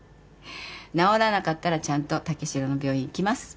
治らなかったらちゃんと武四郎の病院行きます。